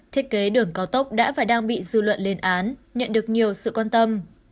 thiết kế đường cao tốc đã và đang bị dư luận lên án nhận được nhiều sự quan tâm